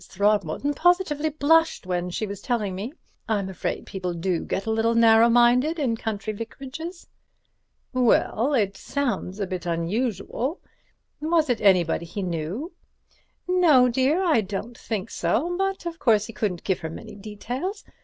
Throgmorton positively blushed when she was telling me. I'm afraid people do get a little narrow minded in country vicarages." "Well, it sounds a bit unusual. Was it anybody he knew?" "No, dear, I don't think so, but, of course, he couldn't give her many details.